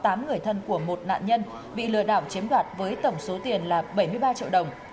tổng số tiền của một nạn nhân bị lừa đảo chiếm đoạt với tổng số tiền là bảy mươi ba triệu đồng